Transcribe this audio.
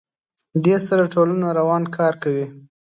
دې سره ټولنه روان کار کوي.